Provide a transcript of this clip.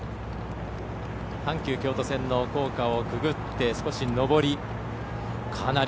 阪急京都線の高架をくぐって少し上り。